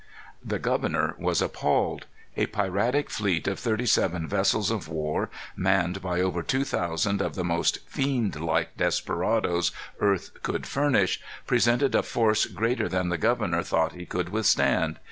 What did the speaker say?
The governor was appalled. A piratic fleet of thirty seven vessels of war, manned by over two thousand of the most fiend like desperadoes earth could furnish, presented a force greater than the governor thought he could withstand.